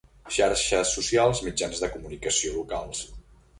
Xarxes socials, mitjans de comunicació locals.